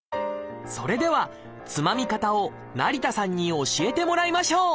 それではつまみ方を成田さんに教えてもらいましょう！